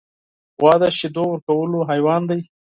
غوا د شیدو ورکولو حیوان دی.